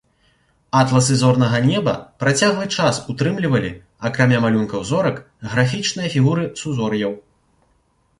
Атласы зорнага неба працяглы час ўтрымлівалі акрамя малюнкаў зорак графічныя фігуры сузор'яў.